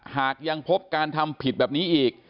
หากยังพบการทำผิดแบบนี้อีก